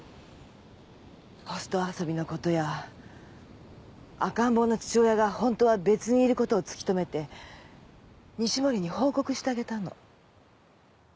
ホスト遊びのことや赤ん坊の父親が本当は別にいることを突き止めて西森に報告してあげたの。